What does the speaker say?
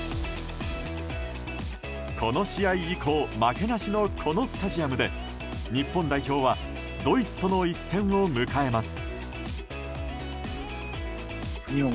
この試合以降負けなしのこのスタジアムで日本代表はドイツとの一戦を迎えます。